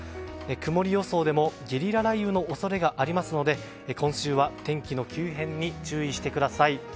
曇り予想でもゲリラ雷雨の恐れがありますので今週は天気の急変に注意してください。